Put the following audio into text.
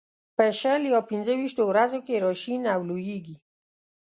په شل یا پنځه ويشتو ورځو کې را شین او لوېږي.